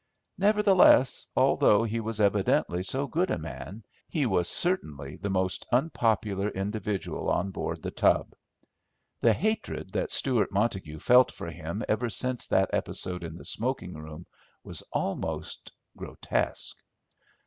Nevertheless, although he was evidently so good a man, he was certainly the most unpopular individual on board The Tub. The hatred that Stewart Montague felt for him ever since that episode in the smoking room was almost grotesque.